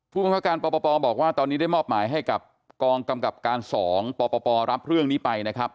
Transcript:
บังคับการปปบอกว่าตอนนี้ได้มอบหมายให้กับกองกำกับการ๒ปปรับเรื่องนี้ไปนะครับ